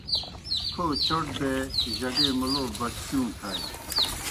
تھو چوْٹ دے جگے مُلو بکھکِیوں تھائے۔